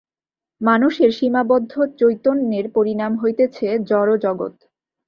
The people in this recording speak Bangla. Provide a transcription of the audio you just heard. মানুষের সীমাবদ্ধ চৈতন্যের পরিণাম হইতেছে জড়জগৎ।